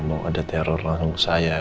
mau ada teror langsung saya